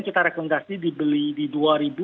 kita rekomendasi dibeli di rp dua